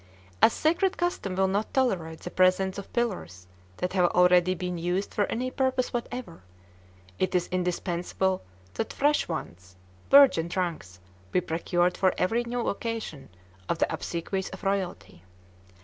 As sacred custom will not tolerate the presence of pillars that have already been used for any purpose whatever, it is indispensable that fresh ones, "virgin trunks," be procured for every new occasion of the obsequies of royalty.